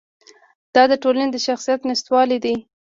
دا د ټولنې د شخصیت نشتوالی دی.